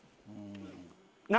何？